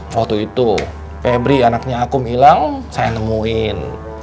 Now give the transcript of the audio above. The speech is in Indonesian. waktu itu febri anaknya akum hilang saya yang nemuin